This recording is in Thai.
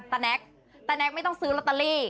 แน็กตะแก๊กไม่ต้องซื้อลอตเตอรี่